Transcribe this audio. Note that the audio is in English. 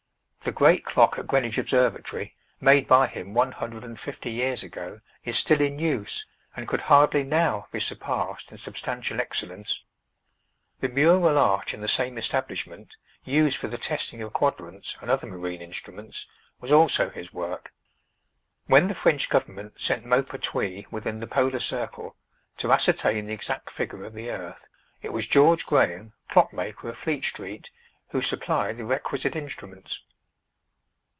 The great clock at Greenwich Observatory, made by him one hundred and fifty years ago, is still in use and could hardly now be surpassed in substantial excellence. The mural arch in the same establishment, used for the testing of quadrants and other marine instruments, was also his work. When the French government sent Maupertuis within the polar circle, to ascertain the exact figure of the earth, it was George Graham, Clock maker of Fleet Street, who supplied the requisite instruments.